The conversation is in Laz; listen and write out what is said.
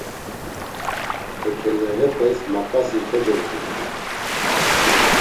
Tekeleğepes maǩasi kocevudumt̆it.